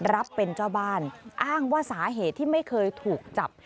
รับเป็นเจ้าบ้านอ้างว่าสาเหตุที่ไม่เคยถูกจับ